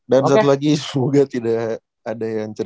dan satu lagi semoga tidak ada yang cedera